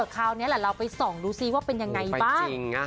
คราวนี้แหละเราไปส่องดูซิว่าเป็นยังไงบ้าง